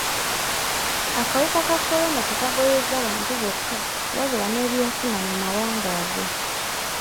Akawuka ka Corona tekagoyezza bantu bokka wabula n'ebyenfuna mu mawanga ago.